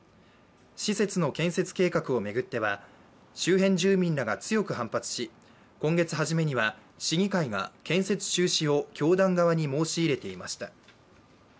施設の建設計画を巡っては周辺住民らが強く反発し、今月初めには市議会が建設中止を教団側に申し入れていました。